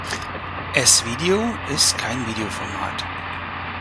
S-Video ist kein Videoformat.